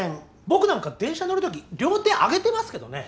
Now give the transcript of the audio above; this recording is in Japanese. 僕なんか電車乗るとき両手上げてますけどね。